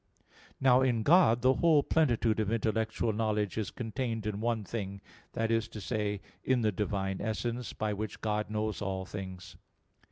Now in God the whole plenitude of intellectual knowledge is contained in one thing, that is to say, in the Divine essence, by which God knows all things.